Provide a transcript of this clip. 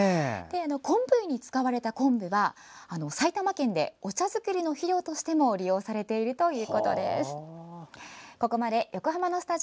昆布湯に使われた昆布は埼玉県で、お茶作りの肥料としても利用されているということです。